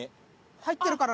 入ってるかな？